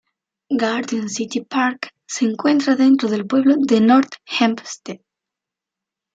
Garden City Park se encuentra dentro del pueblo de North Hempstead.